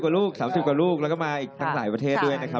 ลูก๓๐กว่าลูกแล้วก็มาอีกตั้งหลายประเทศด้วยนะครับ